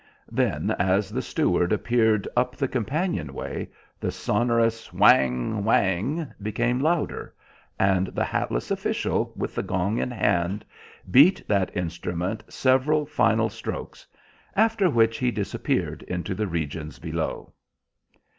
Then, as the steward appeared up the companion way, the sonorous whang, whang became louder, and the hatless official, with the gong in hand, beat that instrument several final strokes, after which he disappeared into the regions below.